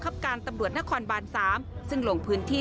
ไปบ้านอยู่อะไรอย่างนี้